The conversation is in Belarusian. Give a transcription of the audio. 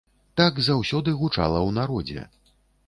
Так заўсёды гучала ў народзе.